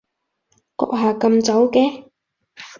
閣下咁早嘅？